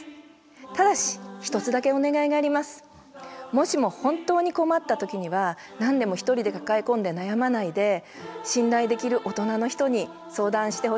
もしも本当に困った時には何でも一人で抱え込んで悩まないで信頼できる大人の人に相談してほしいな。